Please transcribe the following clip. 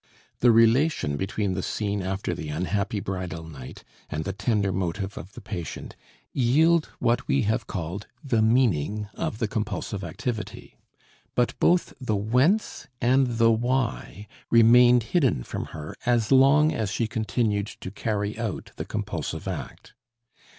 The relation between the scene after the unhappy bridal night and the tender motive of the patient yield what we have called the meaning of the compulsive activity. But both the "whence" and the "why" remained hidden from her as long as she continued to carry out the compulsive act.